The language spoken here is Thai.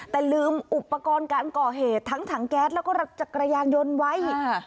แต่ลืมอุปกรณ์การก่อเหตุทั้งถังแก๊สแล้วก็รถจักรยานยนต์ไว้